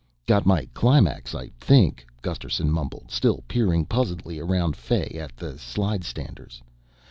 "Got my climax, I think," Gusterson mumbled, still peering puzzledly around Fay at the slidestanders.